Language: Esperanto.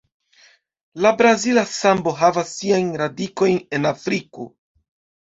La brazila sambo havas siajn radikojn en Afriko.